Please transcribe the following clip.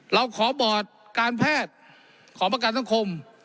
เราขอบอร์ดการแพทย์ขอประกันสังคม